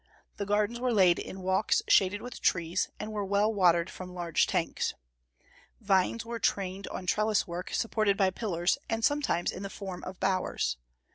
The gardens were laid in walks shaded with trees, and were well watered from large tanks. Vines were trained on trellis work supported by pillars, and sometimes in the form of bowers.